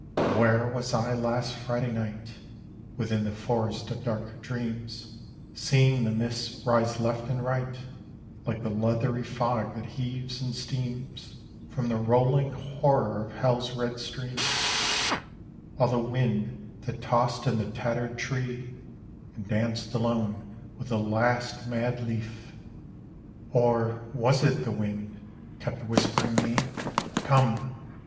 III Where was I last Friday night? Within the Forest of dark Dreams Seeing the mists rise left and right, Like the leathery fog that heaves and steams From the rolling horror of Hell's red streams: While the wind, that tossed in the tattered tree, And danced alone with the last mad leaf Or was it the wind?... kept whispering me, "Come!